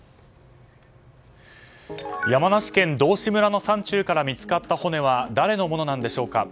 山梨県道志村の山中から見つかった骨は誰のもののなんでしょうか。